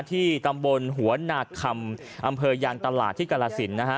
ที่ตำบลหัวหนักคำอำเภยางตลาดที่กรรศิลป์